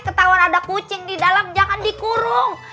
ketahuan ada kucing di dalam jangan dikurung